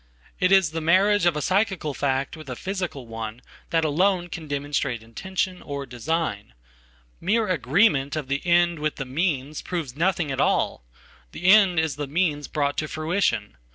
It is the marriage of a psychical fact with a physical one thatalone can demonstrate intention, or design. Mere agreement of the"end" with the "means" proves nothing at all. The end is the meansbrought to fruition.